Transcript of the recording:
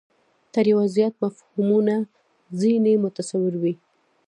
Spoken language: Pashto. تر یوه زیات مفهومونه ځنې متصور وي.